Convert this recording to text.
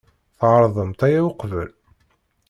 Tɛerḍemt aya uqbel?